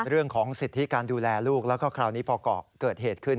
เรื่องของสิทธิการดูแลลูกแล้วก็คราวนี้พอเกิดเหตุขึ้น